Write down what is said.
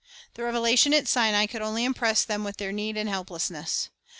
The revelation at Sinai could only impress them with their need and helplessness.